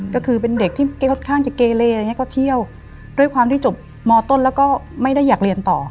ก็คือเป็นเด็กที่ค่อนข้างจะเกเลอะไรอย่างเงี้ก็เที่ยวด้วยความที่จบมต้นแล้วก็ไม่ได้อยากเรียนต่อ